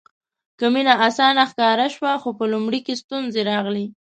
که مینه اسانه ښکاره شوه خو په لومړي کې ستونزې راغلې.